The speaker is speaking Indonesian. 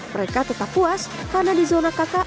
mereka tetap puas karena di zona kk